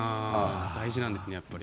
大事なんですねやっぱり。